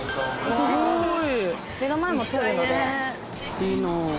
すごい！